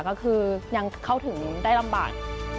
ก็คือยังเข้าถึงได้ลำบาก